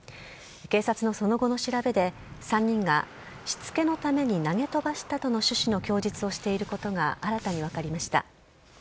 警察のその後の調べで、３人がしつけのために投げ飛ばしたとの趣旨の供述をしていることが新たに分かりました。